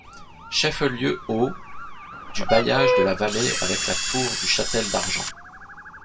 Chef-lieu au du bailliage de la vallée avec la tour du Châtel-Argent.